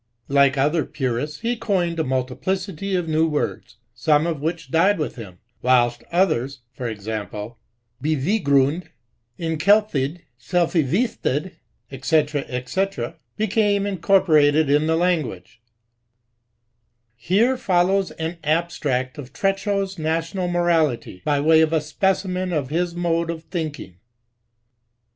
Like other purists, he coined a multiplicity of new words, some of which died with him, whilst others (ex. gr. beoiisgrund, etikelthedy selvbevisihedy &c. &c.) became incorporated in the language. Here follows an abstract of Treschow^s Nsr tional Morality, by way of a specimen of his mode of thinking.